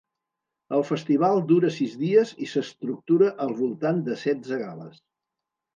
El festival dura sis dies i s’estructura al voltant de setze gales.